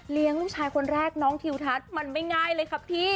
ลูกชายคนแรกน้องทิวทัศน์มันไม่ง่ายเลยครับพี่